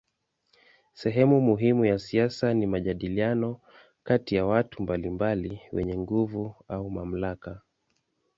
Sehemu muhimu ya siasa ni majadiliano kati ya watu mbalimbali wenye nguvu au mamlaka.